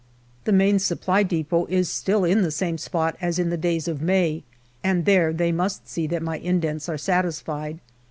The Main Supply depot is still in the same spot as in the days of May, and there they must see that my indents are satisfied.